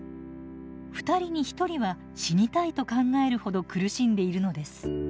２人に１人は「死にたい」と考えるほど苦しんでいるのです。